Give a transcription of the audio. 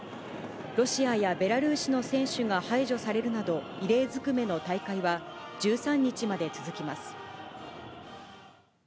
ロシアやベラルーシの選手が排除されるなど、異例ずくめの大会は、１３日まで続きます。